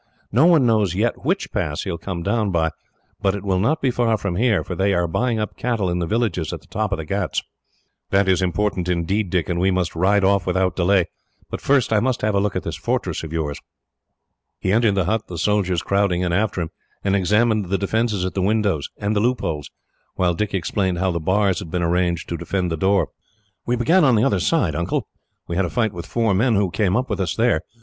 No one knows yet which pass he will come down by; but it will not be far from here, for they are buying up cattle in the villages at the top of the ghauts." "That is important, indeed, Dick, and we must ride off without delay; but first, I must have a look at this fortress of yours." He entered the hut, the soldiers crowding in after him, and examined the defences at the windows, and the loopholes; while Dick explained how the bars had been arranged to defend the door. "We began on the other side, Uncle. We had a fight with four men who came up with us there.